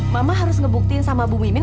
ma ma harus ngebukin sama bu mimin